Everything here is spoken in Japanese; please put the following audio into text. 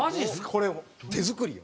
これ手作りよ。